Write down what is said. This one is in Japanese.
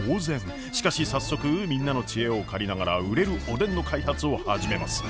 しかし早速みんなの知恵を借りながら売れるおでんの開発を始めます。